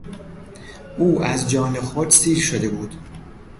او از جان خود سیر شده بود.